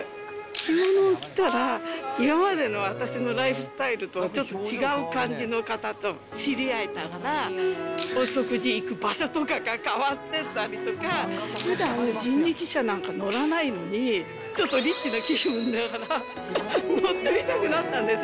着物を着たら、今までの私のライフスタイルとちょっと違う感じの方と知り合えたから、お食事行く場所とかが変わってたりとか、ふだん、人力車なんか乗らないのに、ちょっとリッチな気分だから、乗ってみたくなったんです。